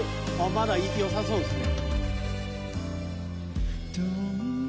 まだよさそうですね。